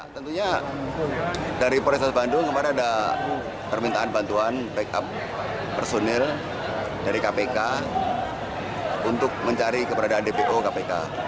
tentunya dari polresta bandung kemarin ada permintaan bantuan backup personil dari kpk untuk mencari keberadaan dpo kpk